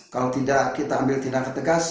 kalau tidak kita ambil tindakan tegas